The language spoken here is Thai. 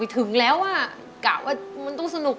ถึงแล้วอะกล่าวว่ามันต้องสนุก